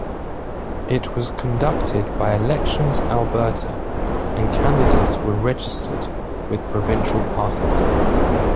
It was conducted by Elections Alberta, and candidates were registered with provincial parties.